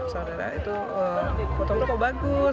saudara itu foto kok bagus